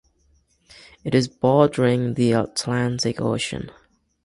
It is bordering the Atlantic Ocean.